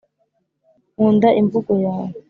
nkunda imvugo yawe.